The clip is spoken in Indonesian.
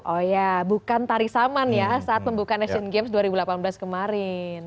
oh ya bukan tari saman ya saat pembukaan asian games dua ribu delapan belas kemarin